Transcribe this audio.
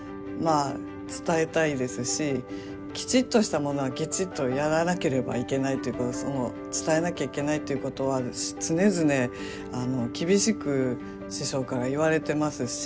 きちっとしたものはきちっとやらなければいけないということその伝えなきゃいけないっていうことは常々厳しく師匠から言われてますし